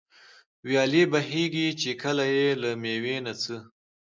ويالې بهېږي، چي كله ئې له مېوې نه څه